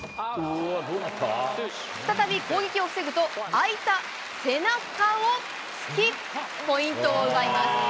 再び攻撃を防ぐと、あいた背中を突き、ポイントを奪います。